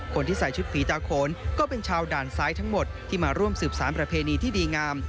คนที่ใส่ชุดผีตาโขนก็เป็นชาวด่านซ้ายทั้งหมดที่มาร่วมสืบสารประเพณีที่ดีงาม